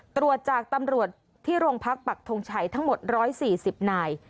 ตรวจจากตำรวจที่โรงพักปักทงชัยทั้งหมด๑๔๐นาย